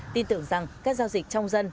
tin tưởng rằng các giao dịch trong dân